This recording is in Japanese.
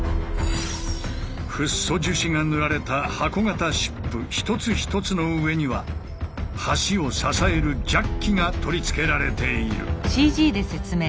フッ素樹脂が塗られた箱型シップ一つ一つの上には橋を支えるジャッキが取り付けられている。